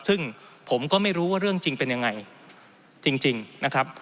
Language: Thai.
ซึ่งผมก็ไม่รู้ว่าเรื่องจริงเป็นยังไงจริงนะครับ